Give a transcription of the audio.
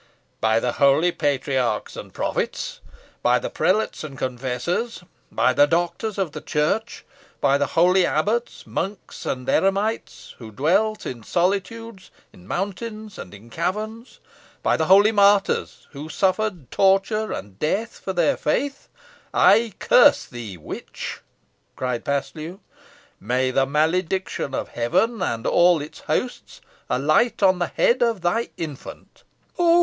"By the holy patriarchs and prophets; by the prelates and confessors; by the doctors of the church; by the holy abbots, monks, and eremites, who dwelt in solitudes, in mountains, and in caverns; by the holy saints and martyrs, who suffered torture and death for their faith, I curse thee, witch!" cried Paslew. "May the malediction of Heaven and all its hosts alight on the head of thy infant " "Oh!